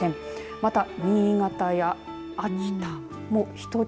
また、新潟や秋田も１桁。